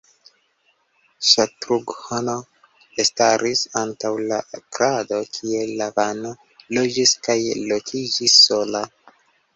Ŝatrughno ekstaris antaŭ la krado kie Lavano loĝis kaj lokiĝis sola.